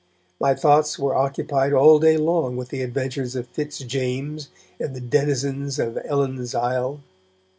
My thoughts were occupied all day long with the adventures of Fitzjames and the denizens of Ellen's Isle.